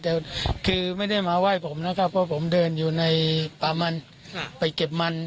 แต่คือไม่ได้มาไหว้ผมนะครับเพราะผมเดินอยู่ในปลามันไปเก็บมัน